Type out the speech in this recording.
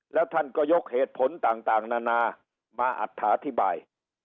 แล้วท่านก็ยกเหตุผลต่างนานามาอัตถาธิบาย